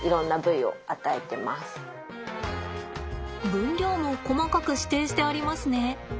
分量も細かく指定してありますね。